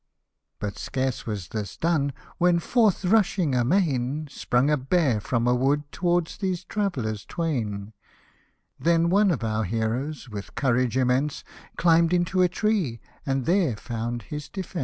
But scarce was this done, when forth rushing amain, Sprung a bear from a wood tow'rds these travellers twain ; Then one of our heroes, with courage immense, Climb'd into a tree, and there found his defence.